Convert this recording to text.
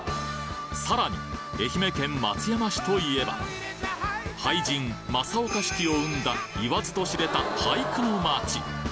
さらに愛媛県松山市といえば俳人正岡子規を生んだ言わずと知れた俳句の町！